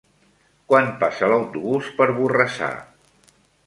Quan passa l'autobús per Borrassà?